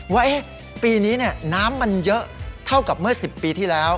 ว่าปีนี้น้ำมันเยอะเท่ากับเมื่อ๑๐ปีที่แล้ว